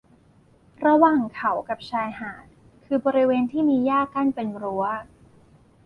ระหว่างเขากับชายหาดคือบริเวณที่มีหญ้ากั้นเป็นรั้ว